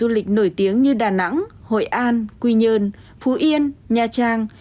du lịch nổi tiếng như đà nẵng hội an quy nhơn phú yên nha trang